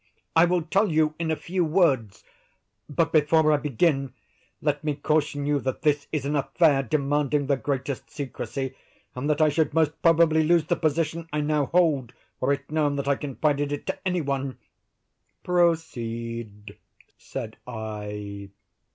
"I will tell you in a few words; but, before I begin, let me caution you that this is an affair demanding the greatest secrecy, and that I should most probably lose the position I now hold, were it known that I confided it to any one." "Proceed," said I.